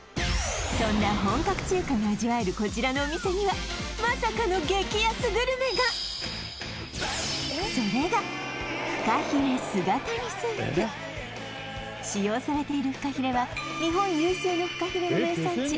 そんな本格中華が味わえるこちらのお店にはまさかの激安グルメがそれが使用されているふかひれは日本有数のふかひれの名産地